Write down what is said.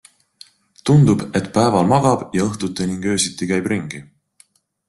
Tundub, et päeval magab ja õhtuti ning öösiti käib ringi.